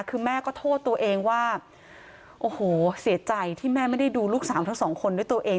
คือแม่ก็โทษตัวเองว่าโอ้โหเสียใจที่แม่ไม่ได้ดูลูกสาวทั้งสองคนด้วยตัวเอง